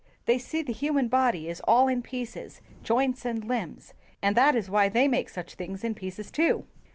They see the human body is all in pieces — joints and limbs — and that is why they make such things in pieces too!'